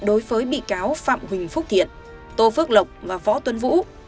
đối với bị cáo phạm huỳnh phúc thiện tô phước lộc và võ tuấn vũ